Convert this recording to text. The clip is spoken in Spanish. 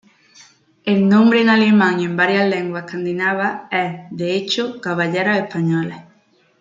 El nombre en alemán y en varias lenguas escandinavas es, de hecho, "caballeros españoles".